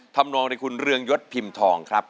นองในคุณเรืองยศพิมพ์ทองครับ